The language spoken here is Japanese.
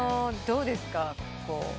どうですか？